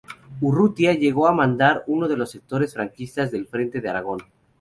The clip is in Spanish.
Urrutia llegó a mandar uno de los sectores franquistas del Frente de Aragón.